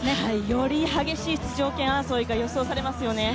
より激しい出場権争いが予想されますよね。